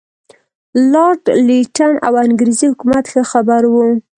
لارډ لیټن او انګریزي حکومت ښه خبر وو.